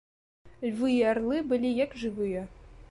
Львы і арлы былі, як жывыя.